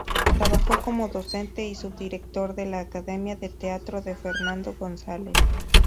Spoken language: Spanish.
Trabajó como docente y subdirector de la Academia de Teatro de Fernando González.